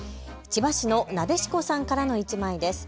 千葉市のなでしこさんからの１枚です。